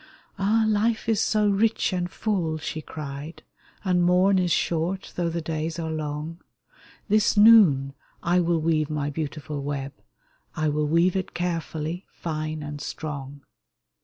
"Ah, life is so rich and full !" she cried, " And morn is short though the days are long ! This noon I will weave my beautiful web, I will weave it carefully, fine and strong."